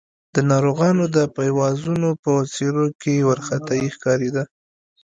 د ناروغانو د پيوازانو په څېرو کې وارخطايي ښکارېده.